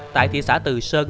tại thị xã từ sơn